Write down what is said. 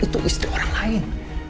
itu istri orang lain